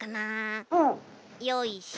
よいしょ。